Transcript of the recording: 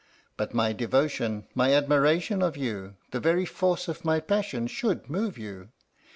But my devotion, my admiration of you, the very force of my passion, should move you.